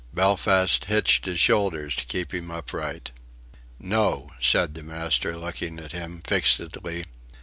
Belfast hitched his shoulders to keep him upright. "No," said the master, looking at him, fixedly.